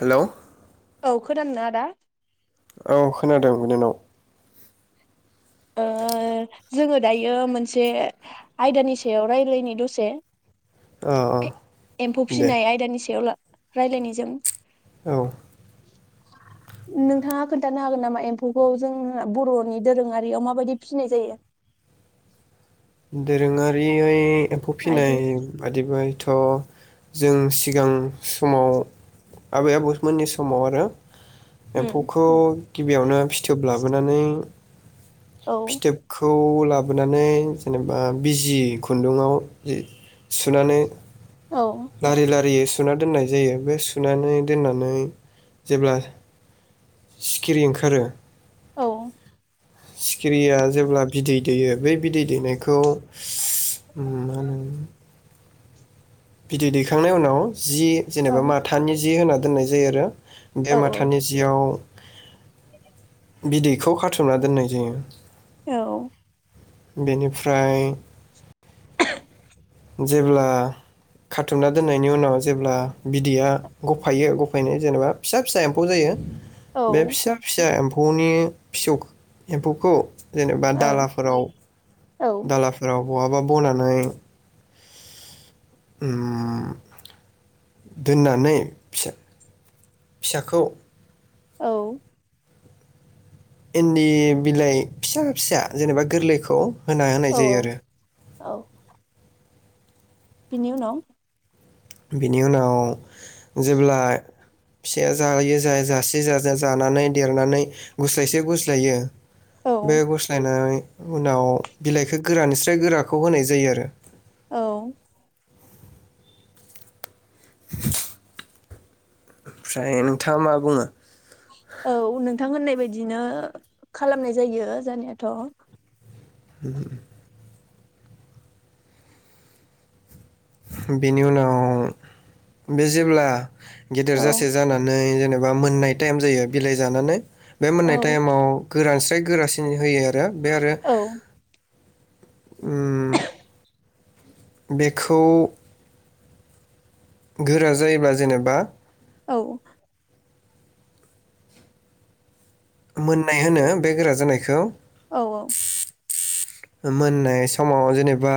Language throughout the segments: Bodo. हेलौ खोनादो ना आदा औ खोनादों बिनानाव ओ जोङो दायो मोनसे आयदानि सायाव रायलायनि दसे अ अ एम्फौ दे फिनाय आयदानि सायाव ला रायलायनि जों औ नोंथाङा खोनथानो हागोन नामा एम्फौखौ जों बर'नि दोरोङारि याव माबायदि फिनाय जायो दोरोङारियै एम्फौ आयदै फिसिनाय बायदिबाय थ' जों सिगां समाव आबै आबौमोननि समाव आरो उम एम्फौखौ गिबियावनो फि थोब लाबोनानै औ फिथोबखौ लाबोनानै जेनेबा बिजि खुनदुंआव जि सुनानै औ लारि लारियै सुना दोननाय जायो बे सुनानै दोननानै जेब्ला सिखिरि ओंखारो औ सिखिरिया जेब्ला बिदै दैयो बै बिदै दैनायखौ मा होनो बिदै दैखांनाय उनाव जि औ जेनेबा माथानि जि होनानै दोननाय जायो आरो बे औ माथानि जिआव बिदैखौ खाथुमना दोननाय जायो। औ बेनिफ्राय [inaudible] जेब्ला खाथुमना दोननायनि उनाव जेब्ला बिदैया गफायो गफायनाय जेनेबा फिसा फिसा एम्फौ जायो औ बे फिसा फिसा एम्फ फौनि फिसौ एम्फौखौ जेनेबा दालाफोराव औ दालाफोराव बहाबा बनानै उम दोननानै फिसा फिसाखौ औ इनदि बिलाइ फिसा फिसा जेनेबा गोरलैखौ होना होनाय जायो औ आरो औ बिनि उनाव बिनि उनाव जेब्लाय फिसाया जायो जाय-जासे जा-जा-जानानै देरनानै गुस्लायसे गुस्लायो। औ बे गुस्लायनानै उनाव बिलाइखो गोरानिस्राय गोराखौ होनाय जायो आरो। औ [inaudible] ओमफ्राय नोंथाङा मा बुङो? औ नोंथां होननाय बायदिनो खालामनाय जायो जानायाथ' उम बेनि उनाव बे जेब्ला गेदेर औ जासे जानानै जेन नेबा मोननाय टाइम जायो बिलाइ जानानै बे मोननाय औ टाइमाव गोरानस्राय गोरास दिनि होयो। थो बे आरो औ उम बेखौ गोरा जायोब्ला जेनेबा औ मोननाय होनो बे गोरा जानायखौ। औ औ मोननाय समाव जेनेबा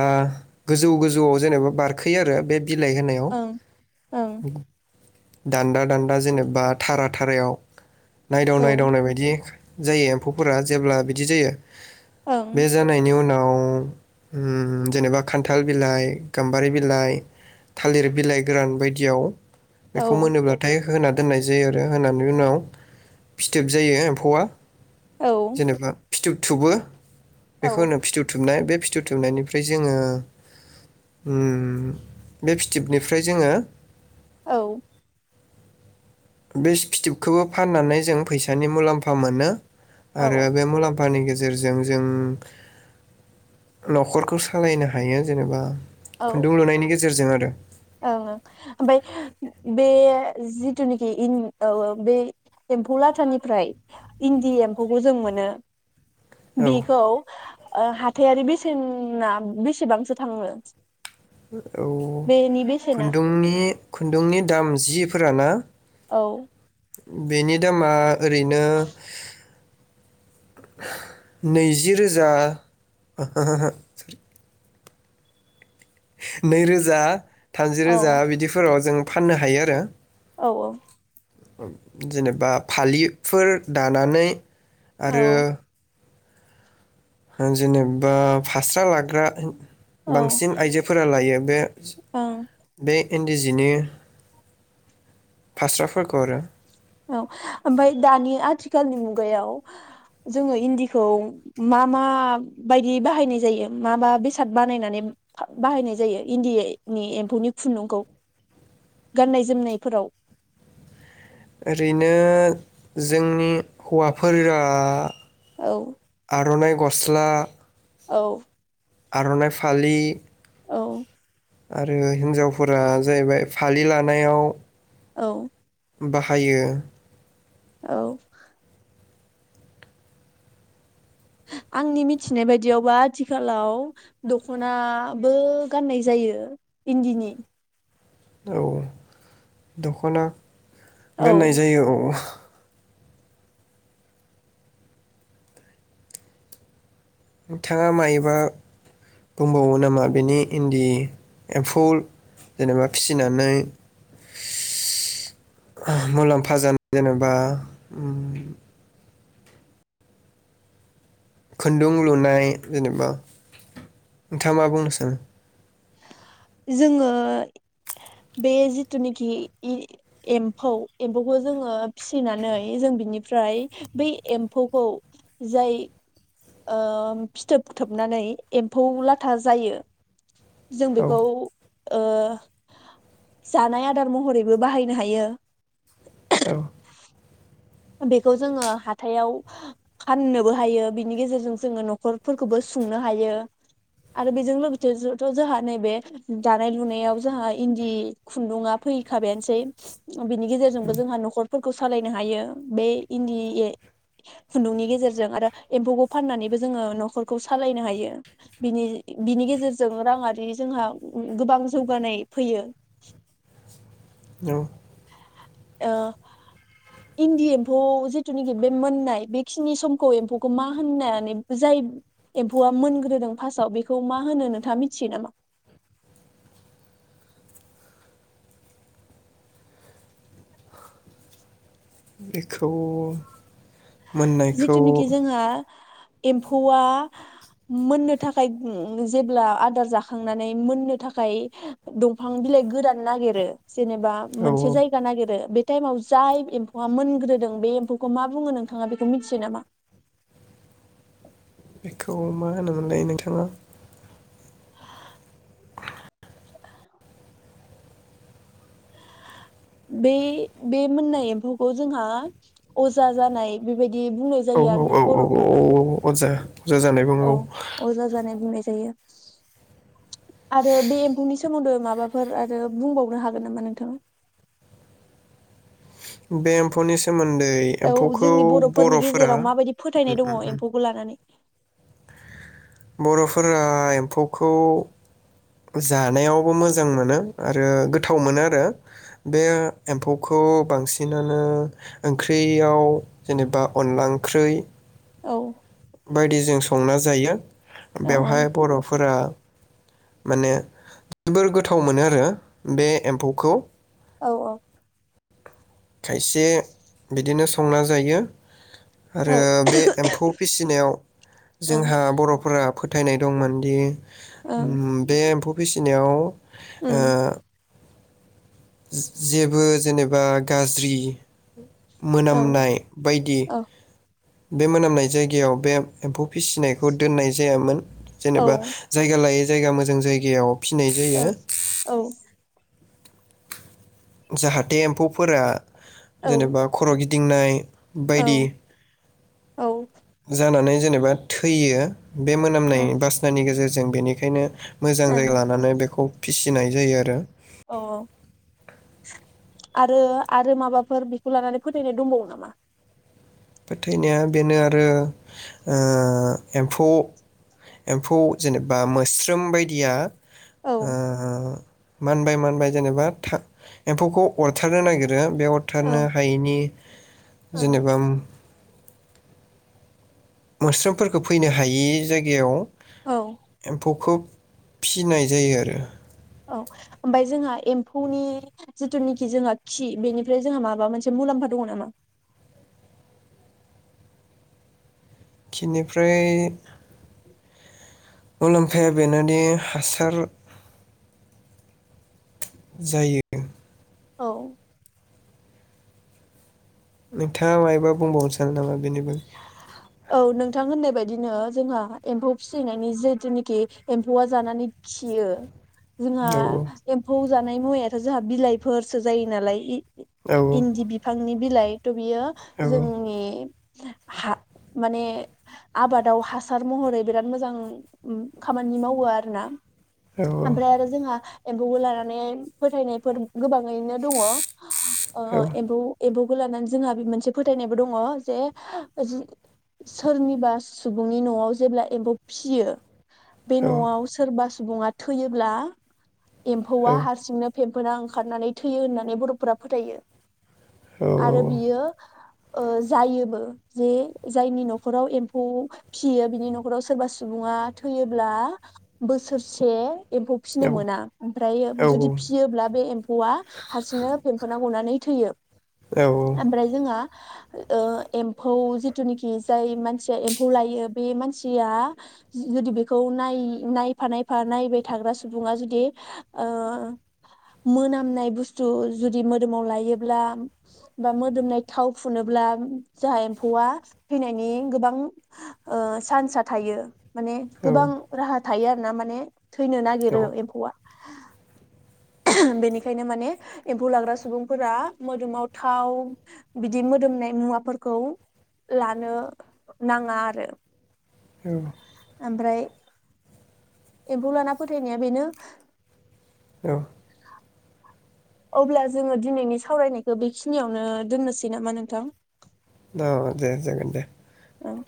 गोजौ गोजौआव जेनेबा बारखोयो आरो बे बिलाइ होनायाव ओं ओं उगु दान्दा दान्दा जेनेबा थारा थारायाव नायदाव औ नायदावनाय बायदियै जायो एम्फौफोरा जेब्ला बिदि जायो ओं नायनि उनाव उम जेनेबा खान्थाल बिलाइ गाम्बारि बिलाइ थालिर बिलाइ गोरान बायदियाव औ बेखौ मोनोब्लाथाय बेखौ होना दोननाय जायो आरो होनानै उनाव फिथोब जायो एम्फौआ औ जेनेबा फिथोबथुबो औ बेखौ होनो फिथुब थुमनाय बे फिथोब थुबनायनिफ्राय जोङो उम बे फिथोबनिफ्राय जोङो औ बे फिथोबखौबो फाननानै जों फैसानि मुलाम्फा मोनो औ आरो औ बे मुला फानि गेजेरजों जों न'खरखौ सालायनो हायो जेनेबा खुन्दुं लुनायनि गेजेरजों आरो ओं ओं ओमाय बे जिथुनिखि इन औ औ बे एम्फौ लाथानिफ्राय इन्दि एम्फौखौ जों मोनो औ बेखौ ओ हाथायारि बेसेन ना बेसेबांसो थाङो औ बेनि बेसेना खुन्दुंनि खुन्दुंनि दाम जिफोरा ना औ बेनि दामा ओरैनो नैजि रोजा [unintelligible] नै रोजा थामजि रोजा औ बिदिफोराव जों फाननो हायो आरो औ औ जेनेबा फालिफोर दानानै औ आरो जेनेबा फास्रा लाग्रा औ ओं बांसिन आइजोफोरा लायो बे बे इन्दि जिनि फास्राफोरखौ आरो औ ओमफाय दानि आथिखालनि मुगायाव जोङो इन्दिखौ मा मा बायदि बाहायनाय जायो मा मा बेसाद बानायनानै बाहायनाय जायो इन्दिनि एम्फौनि खुन्दुंखौ गाननाय जोमनायफोराव ओरैनो जोंनि हौवाफोरा औ आर'नाइ गस्ला औ आर'नाइ फालि औ आरो हिन्जावफोरा जाहैबाय फालि लानायाव औ बाहायो औ आंनि मिथिनाय बायदियावबा आथिखालाव दख'नाबो गाननाय जायो इन्दिनि औ दख'ना औ गाननाय जायो औ नोंथाङा मायोबा बुंबावो नामा बेनि इन्दि एम्फौल जेनेबा फिसिनानै [unintelligible] मुलाम्फा जानाय जेनेबा उम खुन्दुं लुनाय जेनेबा नोंथाङा मा बुंनो सानो जोङो बे जिथुनेखि ए-एम्फौ एम्फौखौ जोङो फिसिनानै जों बिनिफ्राय बै एम्फौखौ जाय ओ फिथोब थोबनानै एम्फौ लाथा जायो जों औ बेखौ ओ जानाय आदार महरैबो बाहायनो हायो औ बेखौ जोङो हाथाइयाव फाननोबो हायो बिनि गेजेरजों जोङो नखरफोरखौबो सुंनो हायो आरो बेजों लोगोसेथ' जोंहा नैबे दानाय लुनायाव जोंहा इन्दि खुन्दुङा फैखाबायानोसै बिनि गेजेरजोंबो जोंहा नखर फोरखौ सालायनो हायो बे इन्दि ए खुन्दुंनि गेजेरजों आरो एम्फौखौ फाननानैबो जोङो नखरखौ सालायनो हायो बिनि बिनि गेजेरजों राङारि जोंहा गोबां जौगानाय फैयो औ ओ इन्दि एम्फौ जिथुनेखि बे मोननाय बेखिनि समखौ एम्फौखौ मा होननानै जाय एम्फौआ मोनग्रोदों फार्स्टआव बेखौ मा होनो नोंथाङा मिथियो नामा बेखौ मोननायखौ जिथुनिखि जोंहा एम्फौआ मोननो थाखाय ओ जेब्ला आदार जाखांनानै मोननो थाखाय दंफां बिलाइ गोरान नागिरो जेनेबा औ मोनसे जायगा नागिरो बे टाइमाव जाय एम्फौआ मोनग्रोदों बे एम्फौखौ मा बुङो नोंथाङा बे मिथियो नामा बेखौ मा होनोमोनलाय नोंथाङा बे बे मोननाय एम्फौखौ जोंहा अजा जानाय बेबाय औ औ औ औ अ-अ-अजा अजा जानाय बुङो औ अजा जानाय बुंनाय जायो आरो बे एम्फौनि सोमोन्दै माबाफोर आरो बुंबावनो हागोन नामा नोंथाङा बे एम्फौनि सोमोन औ जोंनि बर'फोरनि गेजेराव माबायदि उम फोथायनाय दङ उम उम एम्फौखौ लानानै बर'फोरा एम्फौखौ जानायावबो मोजां मोनो आरो गोथाव मोनो आरो बे एम्फौखौ बांसिनानो ओंख्रियाव जेनेबा अनला ओंख्रै औ बायदिजों संना जायो औ बेवहाय बर'फोरा माने जोबोर गोथाव मोनो आरो बे एम्फौखौ औ औ खायसे बिदिनो संना जायो आरो औ बे एम्फौ फिसिनायाव ओं जोंहा बर'फोरा फोथ फोथायनाय दंमोनदि ओं ओम बे एम्फौ फिसिनायाव ओ उम जेबो जेनेबा गाज्रि औ मोनामनाय बायदि औ बे मोनामनाय जायगायाव बे एम्फौ फिसिनायखौ दोननाय जायामोन औ जेनेबा जायगा लायै जा जायगा मोजां जायगायाव फिनाय जायो औ औ जाहाथे एम्फौफोरा औ जेनेबा खर' गि दिंनाय बायदि औ औ जानानै जेनेबा थैयो बे मोनामनाय उम बासनि गेजेरजों जों बेनिखायनो मोजां ओं जायगा लानानै बेखौ फिसिनाय जायो आरो औ आरो आरो माबाफोर बेखौ लानानै फोथायनाय दंबावो नामा फोथायनाया बेनो आरो ओ एम्फौ-एम्फौ जेनेबा मोस्रोम बायदिया औ ओ मानबाय मानबाय जेनेबा था एम्फौखौ अरथारनो नागि आरो बे अरथारनो ओं हायैनि ओं जेनेबा उम मोस्रोमफोरखौ फैनो हायि जायगायाव औ एम्फौखोब फिसिनाय जायो आरो औ ओमफाय जोंहा एम्फौनि जिथुनिखि जोंहा खि बेनिफ्राय जोंहा माबा मोनसे मुलाम्फा दङ नामा? खिनिफ्राय मुलाम्फाया बेनादि हासार जायो औ नोंथाङा मायबा बुंबावनो सानो नामा बेनि बागै बिदिनो जोंहा एम्फौ फिसिनायनि जिहेथुनेखि एम्फौआ जानानै खियो जोंहा औ एम्फौ जा नाय मुवाथ' जोंहा बिलाइफोरसो जायो नालाय। औ इन्दि बिफांनि बिलाइ थ' बियो औ जोंनि हा माने आबादाव हासार महरै बिराद मोजां खामानि मावो आरो ना औ ओमफ्राय आरो जोंहा एम्फौखौ लानानै फोथायनायफोर गोबाङैनो दङ। औ ओ एम्फौ एम्फौ लानानै जोंहा बे मोनसे फोथायनायबो दङ जे सोरनिबा सुबुंनि न'आव जेब्ला एम्फौ फिसियो बे औ औ न'आव सोरबा सुबुङा थैयोब्ला औ एम्फौआ हारसिंनो फेम्फोना ओंखारनानै थैयो होननानै बर'फोरा फोथायो। आरो बियो ओ जायोबो जे जायनि न'खराव एम्फौ फिसियो बिनि न'खराव सोरबा सुबुङा थैयोब्ला बोसोरसे एम्फौ फिसिनो मोना ओमफ्रायो जुदि फिसियोब्ला बे एम्फौआ हारसिंनो फेम्फोना गनानै थैयो खाब्रै जोंहा ओ एम्फौ जिथुनिखि जाय मानसिया एम्फौ लायो बे मानसिया जुदि बेखौ नायफा नायफा नायबाय थाग्रा सुबुङा जुदि ओ मोनामनाय बुस्थु जुदि मोदोमाव लायोब्ला बा मोदोमनाय थाव फुनोब्ला जाहा एम्फौआ थैनायनि गोबां ओ चान्सआ थायो माने गोबां राहा थायो आरो ना माने थैनो नागिरो एम्फौआ [inaudible] बेनिखायनो माने एम्फौ लाग्रा सुबुंफोरा मोदोमाव थाव बिदि मोदोमनाय मुवाफोरखौ लानो नाङा आरो। औ ओमफ्राय एम्फौ लाना फोथायनाया बेनो औ अब्ला जोङो दिनैनि सावरायनायखौ बेखिनियावनो दोननोसै नामा नोंथां? औ दे जागोन दे औ